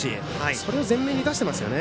それを前面に出してますよね。